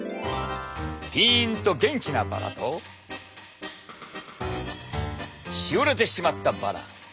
ピンと元気なバラとしおれてしまったバラ。